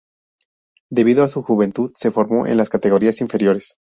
Debido a su juventud, se formó en las categorías inferiores.